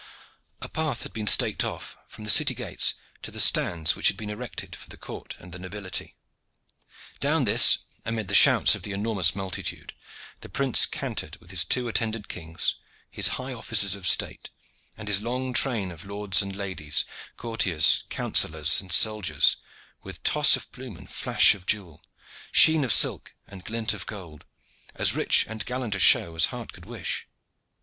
A path had been staked off from the city gate to the stands which had been erected for the court and the nobility. Down this, amid the shouts of the enormous multitude, the prince cantered with his two attendant kings, his high officers of state, and his long train of lords and ladies, courtiers, counsellors, and soldiers, with toss of plume and flash of jewel, sheen of silk and glint of gold as rich and gallant a show as heart could wish.